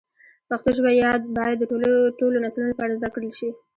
پښتو ژبه باید د ټولو نسلونو لپاره زده کړل شي.